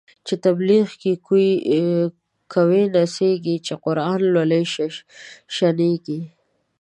چی تبلیغ کوی نڅیږی، چی قران لولی ششنیږی